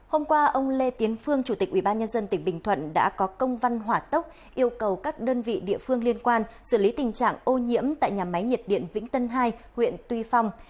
hôm qua ông lê tiến phương chủ tịch ubnd tỉnh bình thuận đã có công văn hỏa tốc yêu cầu các đơn vị địa phương liên quan xử lý tình trạng ô nhiễm tại nhà máy nhiệt điện vĩnh tân hai huyện tuy phong